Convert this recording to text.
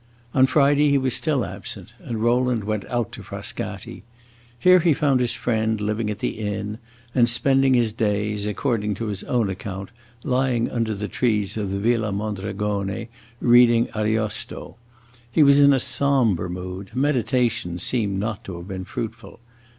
On Friday he was still absent, and Rowland went out to Frascati. Here he found his friend living at the inn and spending his days, according to his own account, lying under the trees of the Villa Mondragone, reading Ariosto. He was in a sombre mood; "meditation" seemed not to have been fruitful.